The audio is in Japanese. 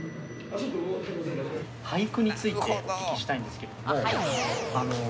俳句についてお聞きしたいんですけども。